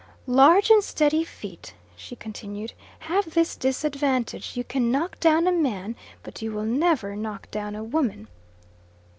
"Large and steady feet," she continued, "have this disadvantage you can knock down a man, but you will never knock down a woman."